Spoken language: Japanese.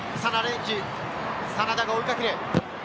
真田が追い掛ける。